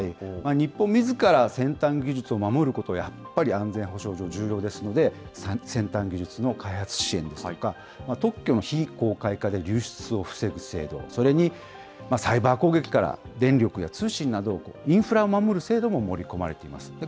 日本みずから先端技術を守ること、やっぱり安全保障上、重要ですので、先端技術の開発支援ですとか、特許の非公開化で流出を防ぐ制度、それにサイバー攻撃から電力や通信など、インフラを守る制度も盛り込まれています。